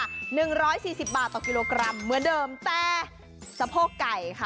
หนึ่งร้อยสี่สิบบาทต่อกิโลกรัมเหมือนเดิมแต่สะโพกไก่ค่ะ